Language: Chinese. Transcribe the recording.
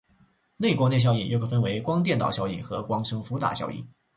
内光电效应又可分为光电导效应和光生伏打效应。